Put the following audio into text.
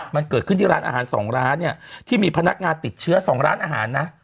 มันเกิดขึ้นที่ร้านอาหาร๒ร้านเนี่ยที่มีพนักงานติดเชื้อ๒ร้านอาหารนะ